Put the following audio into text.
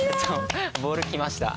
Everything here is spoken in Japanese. ボール来ました。